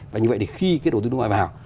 và như vậy thì khi cái đầu tư nước ngoài vào